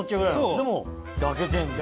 でも焼けてんです。